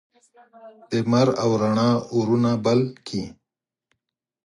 د لمر او د روڼا اورونه بل کړي